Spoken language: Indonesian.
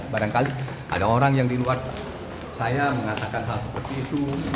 barangkali ada orang yang di luar saya mengatakan hal seperti itu